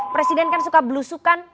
presiden kan suka belusukan